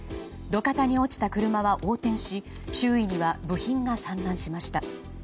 路肩に落ちた車は横転し周囲には部品が散乱しました。